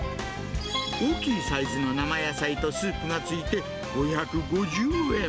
大きいサイズの生野菜とスープがついて５５０円。